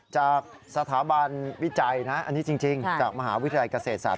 จากสถาบันวิจัยนะอันนี้จริงจากมหาวิทยาลัยเกษตรศาส